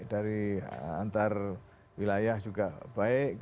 dari antar wilayah juga baik